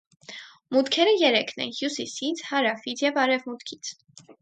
Մուտքերը երեքն են՝ հյուսիսից, հարավից և արևմուտքից։